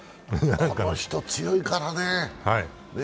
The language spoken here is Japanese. この人、強いからね。